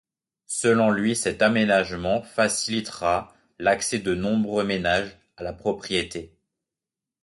Selon lui, cet aménagement facilitera l'accès de nombreux ménages à la propriété.